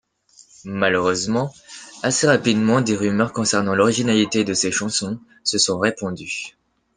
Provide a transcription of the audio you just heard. Malheureusement, assez rapidement des rumeurs concernant l'originalité de ses chansons se sont répandues.